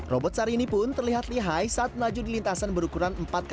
robot sar ini pun terlihat lihai saat melaju di lintasan berukuran tiga lima meter